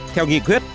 theo nghị quyết